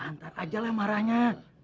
ntar aja lah marahnya